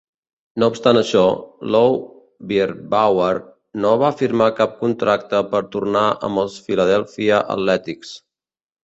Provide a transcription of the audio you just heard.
No obstant això, Lou Bierbauer no va firmar cap contracte per tornar amb els Philadelphia Athletics.